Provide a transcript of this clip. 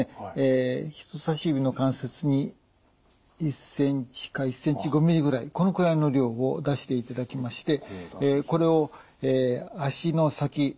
人さし指の関節に１ｃｍか１ｃｍ５ｍｍぐらいこのくらいの量を出していただきましてこれを足の先３分の１ぐらいですね。